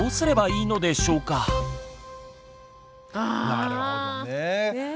なるほどねえ。